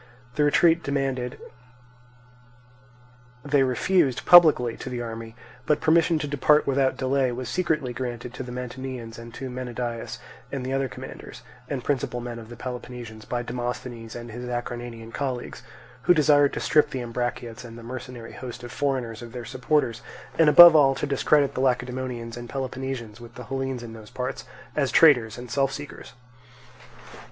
The retreat demanded they refused publicly to the army; but permission to depart without delay was secretly granted to the Mantineans and to Menedaius and the other commanders and principal men of the Peloponnesians by Demosthenes and his Acarnanian colleagues; who desired to strip the Ambraciots and the mercenary host of foreigners of their supporters; and, above all, to discredit the Lacedaemonians and Peloponnesians with the Hellenes in those parts, as traitors and self seekers.